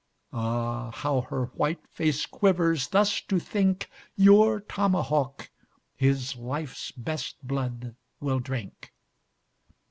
Ah, how her white face quivers thus to think, Your tomahawk his life's best blood will drink.